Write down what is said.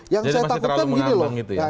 yang saya takutkan begini loh